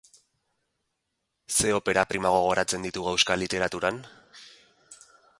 Ze opera prima gogoratzen ditugu euskal literaturan?